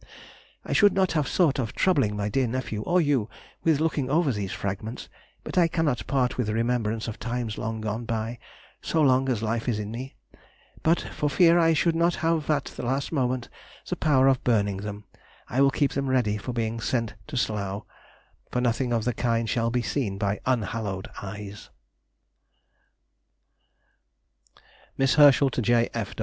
I should not have thought of troubling my dear nephew or you with looking over these fragments, but I cannot part with remembrances of times long gone by, so long as life is in me; but for fear I should not have at the last moment the power of burning them, I will keep them ready for being sent off to Slough, for nothing of the kind shall be seen by unhallowed eyes.... [Sidenote: 1831. Her Grave.—Paganini.] MISS HERSCHEL TO J.